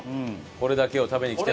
これだけを食べに来ても。